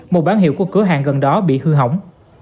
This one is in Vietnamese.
một bán hiệu của cửa hàng gần đó bị hư hỏng